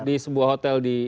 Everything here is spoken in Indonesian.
di sebuah hotel di